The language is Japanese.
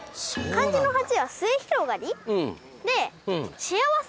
漢字の八は末広がりで。